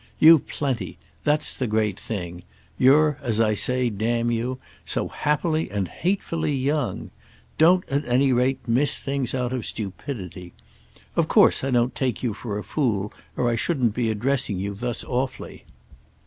You've plenty; that's the great thing; you're, as I say, damn you, so happily and hatefully young. Don't at any rate miss things out of stupidity. Of course I don't take you for a fool, or I shouldn't be addressing you thus awfully.